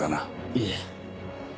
いえ。